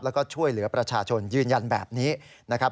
แล้วก็ช่วยเหลือประชาชนยืนยันแบบนี้นะครับ